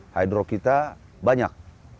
hydro kita banyak